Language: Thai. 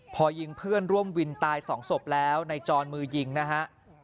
พอยิงเพื่อนร่วมวินตายสองศพแล้วในจรมือยิงนะฮะ